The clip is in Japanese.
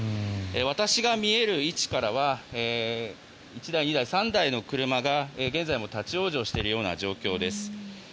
私が見える位置からは３台の車が現在も立ち往生しているような状況です。